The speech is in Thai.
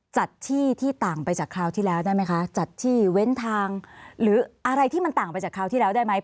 จัดที่ที่ต่างไปจากคราวที่แล้วได้ไหมคะจัดที่เว้นทางหรืออะไรที่มันต่างไปจากคราวที่แล้วได้ไหม